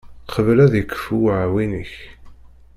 Qbel ad yekfu uεwin-ik